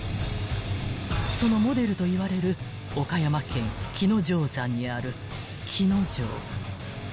［そのモデルといわれる岡山県鬼城山にある鬼ノ城］